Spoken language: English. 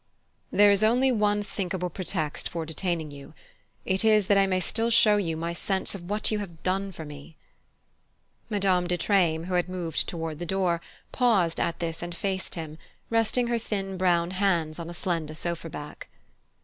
"There is only one thinkable pretext for detaining you: it is that I may still show my sense of what you have done for me." Madame de Treymes, who had moved toward the door, paused at this and faced him, resting her thin brown hands on a slender sofa back.